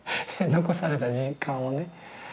残された時間をね